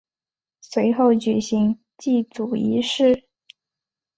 随后举行祭祖仪式。